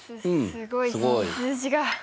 すすごい数字が。